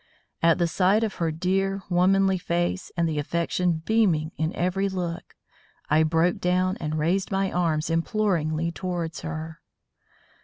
At the sight of her dear, womanly face and the affection beaming in every look, I broke down and raised my arms imploringly towards her.